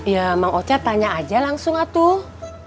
ya mang ocat tanya aja langsung atuh